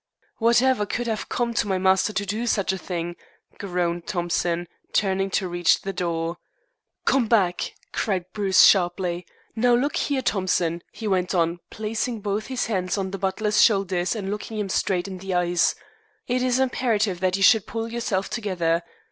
"Whatever could have come to my master to do such a thing?" groaned Thompson, turning to reach the door. "Come back," cried Bruce sharply. "Now, look here, Thompson," he went on, placing both his hands on the butler's shoulders and looking him straight in the eyes, "it is imperative that you should pull yourself together.